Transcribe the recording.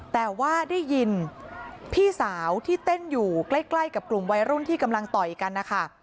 แต่ว่าได้ยินพี่สาวที่เต้นอยู่ใกล้กับกลุ่มวัยรุ่นที่กำลังต่อยกันนะคะ